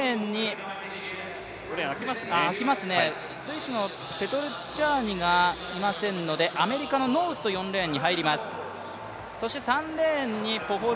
スイスのペトルッチャーニがいませんのでアメリカの選手が入ります。